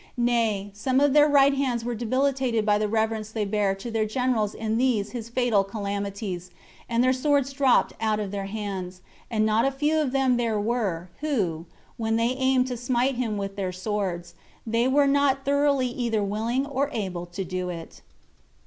Nay, some of their right hands were debilitated by the reverence they bare to their general in these his fatal calamities, and their swords dropped out of their hands; and not a few of them there were, who, when they aimed to smite him with their swords, they were not thoroughly either willing or able to do it.